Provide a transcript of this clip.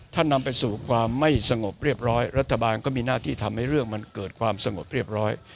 ถ้านำไปสู่ความไม่สงบเรียบร้อยรัฐบาลก็มีหน้าที่ทำให้เรื่องมันเกิดความสงบเรียบร้อย